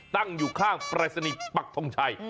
ตั้งอยู่ข้างปรายศนีย์ปักทงชัย